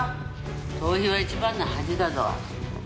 逃避は一番の恥だぞ」